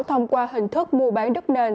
thông qua hình thức mua bán đất nền